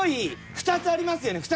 ２つありますよね」